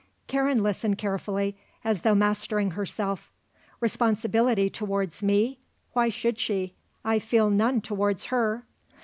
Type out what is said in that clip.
Karen listened carefully as though mastering herself. "Responsibility towards me? Why should she? I feel none towards her."